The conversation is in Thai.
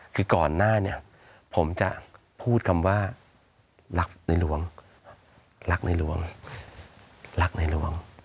คือก่อนหน้าผมจะพูดคำว่ารักในหลวง